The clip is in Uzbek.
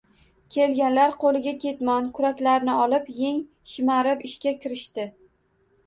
Kelganlar qoʻliga ketmon, kuraklarni olib, yeng shimarib ishga kirishdi